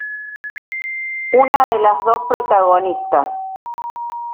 Una de las dos protagonistas.